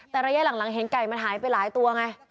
แต่ระยะหลังเห็นไก่มันหายไปหลายตัวไง